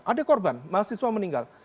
ada korban mahasiswa meninggal